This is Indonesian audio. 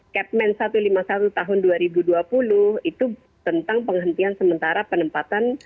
kepmen satu ratus lima puluh satu tahun dua ribu dua puluh itu tentang penghentian sementara penempatan